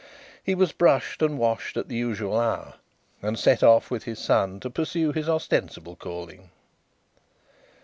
He was brushed and washed at the usual hour, and set off with his son to pursue his ostensible calling.